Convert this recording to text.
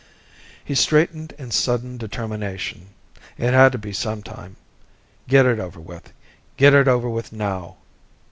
He straightened in sudden determination. It had to be sometime. Get it over with, get it over with now.